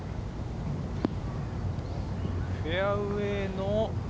フェアウエーの。